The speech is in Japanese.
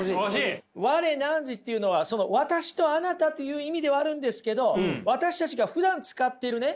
「我−汝」っていうのは私とあなたという意味ではあるんですけど私たちがふだん使っているね